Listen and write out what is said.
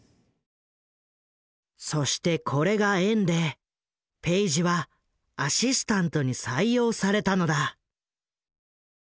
そしてこれが縁でペイジはアシスタントに採用されたのだ。